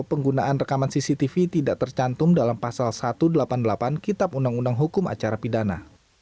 penggunaan rekaman cctv tidak tercantum dalam pasal satu ratus delapan puluh delapan kitab undang undang hukum acara pidana